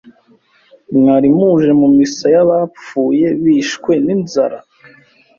Mwari muje mu Misa y' abapfuye bishwe ni inzara